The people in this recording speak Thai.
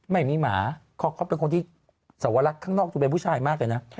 ไม่มีหมาเขาเป็นคนที่สวรรคข้างนอกดูเป็นผู้ชายมากเลยนะ